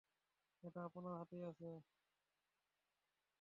এটা আপনার হাতেই আছে।